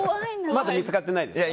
まだ見つかってないですか？